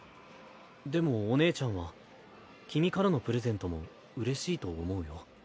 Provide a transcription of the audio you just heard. でもお姉ちゃんは君からのプレゼントもうれしいと思うよ。